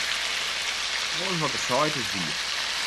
Alles wat er seit, is wier.